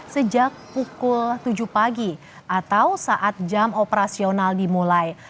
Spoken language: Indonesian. sejak pukul tujuh pagi atau saat jam operasional dimulai